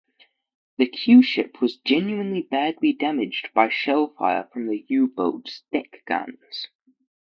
The Q-ship was genuinely badly damaged by shellfire from the U-boat's deck guns.